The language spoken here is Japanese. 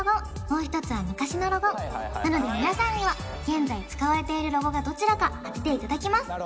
もう１つは昔のロゴなので皆さんには現在使われているロゴがどちらか当てていただきます